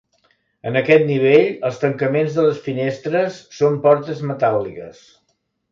En aquest nivell els tancaments de les finestres són portes metàl·liques.